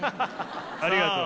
ありがとう。